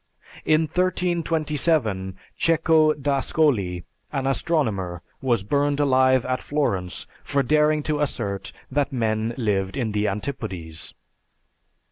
In 1327, Cecco d'Ascoli, an astronomer, was burned alive at Florence for daring to assert that men lived in the antipodes.